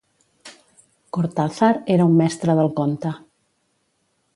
Cortázar era un mestre del conte.